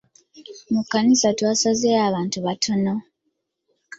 Mu kkanisa twasanzeeyo abantu bataano.